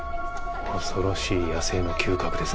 恐ろしい野生の嗅覚ですね。